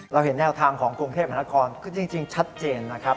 เห็นแนวทางของกรุงเทพมหานครคือจริงชัดเจนนะครับ